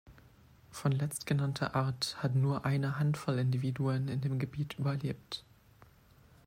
Von letztgenannter Art hat nur eine Handvoll Individuen in dem Gebiet überlebt.